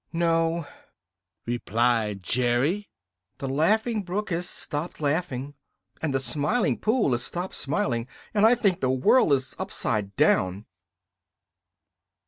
"No," replied Jerry, "the Laughing Brook has stopped laughing, and the Smiling Pool has stopped smiling, and I think the world is upside down."